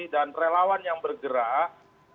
dan relawan yang bergerak